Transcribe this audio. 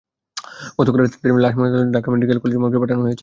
গতকাল রাতেই তাঁদের লাশ ময়নাতদন্তের জন্য ঢাকা মেডিকেল কলেজের মর্গে পাঠানো হয়েছে।